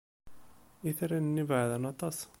Itran-nni beɛden aṭas.